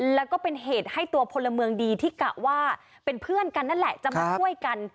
แล้วก็เป็นเหตุให้ตัวพลเมืองดีที่กะว่าเป็นเพื่อนกันนั่นแหละจะมาช่วยกัน